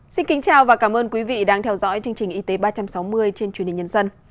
xin kính chào và cảm ơn quý vị đang theo dõi chương trình y tế ba trăm sáu mươi trên truyền hình nhân dân